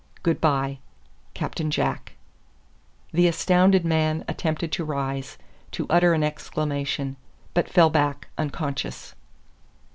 Good by. CAPTAIN JACK. The astounded man attempted to rise to utter an exclamation but fell back, unconscious.